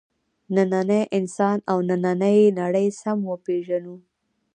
نننی انسان او نننۍ نړۍ سم وپېژنو.